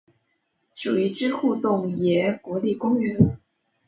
属于支笏洞爷国立公园。